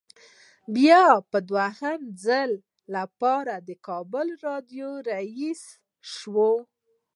بیا د دویم ځل لپاره د کابل راډیو رییس شو.